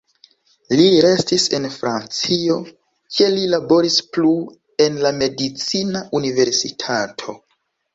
Li restis en Francio, kie li laboris plu en la medicina universitato.